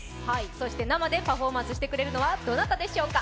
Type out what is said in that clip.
そして生でパフォーマンスしてくれるのはどなたでしょうか。